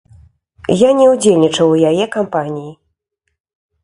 Я не ўдзельнічаў у яе кампаніі.